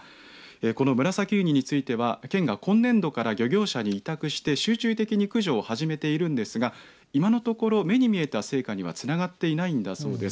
このムラサキウニについては県が今年度から漁業者に託して集中的に駆除を始めているんですが今のところ目に見えた成果にはつながっていないんだそうです。